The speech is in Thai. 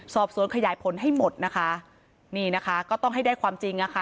สอบสวนขยายผลให้หมดนะคะนี่นะคะก็ต้องให้ได้ความจริงอะค่ะ